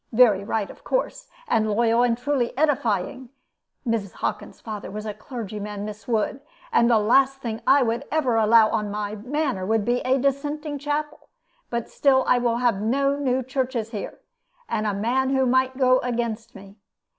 Very right, of course, and loyal, and truly edifying Mrs. Hockin's father was a clergyman, Miss Wood; and the last thing I would ever allow on my manor would be a Dissenting chapel; but still I will have no new churches here, and a man who might go against me.